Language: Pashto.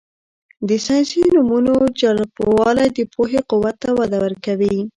د ساینسي نومونو جالبوالی د پوهې قوت ته وده ورکوي.